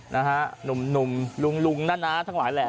นะฮะหนุ่มลุงลุงนะทั้งหลายแหละ